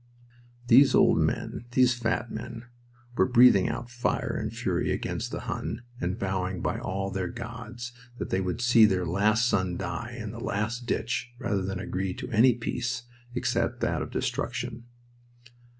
These old men, these fat men, were breathing out fire and fury against the Hun, and vowing by all their gods that they would see their last son die in the last ditch rather than agree to any peace except that of destruction.